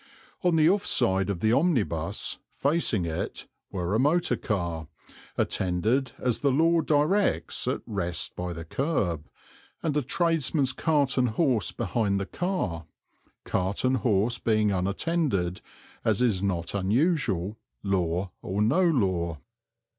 On the off side of the omnibus, facing it, were a motor car, attended as the law directs, at rest by the kerb, and a tradesman's cart and horse behind the car, cart and horse being unattended, as is not unusual, law or no law.